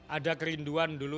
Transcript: ada kerinduan dulu